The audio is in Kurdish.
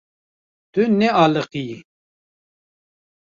Tu nealiqiyî.